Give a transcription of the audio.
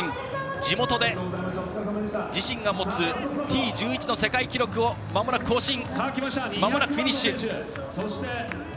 地元で自身が持つＴ１１の世界記録をまもなく更新、フィニッシュ。